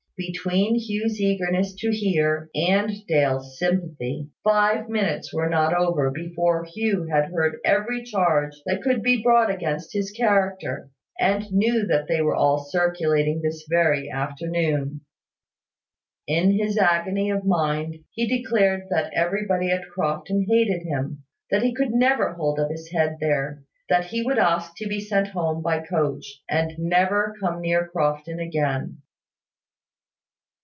Between Hugh's eagerness to hear, and Dale's sympathy, five minutes were not over before Hugh had heard every charge that could be brought against his character, and knew that they were all circulating this very afternoon. In his agony of mind he declared that everybody at Crofton hated him, that he could never hold up his head there, that he would ask to be sent home by the coach, and never come near Crofton again.